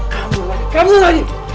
kamu lagi kamu lagi